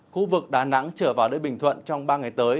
khu vực đà nẵng trở vào đến bình thuận trong ba ngày tới